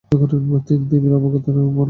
তিনি দেবীর অবতার বলে মনে করতেন।